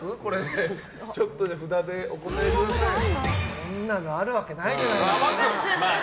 そんなのあるわけないじゃないですか！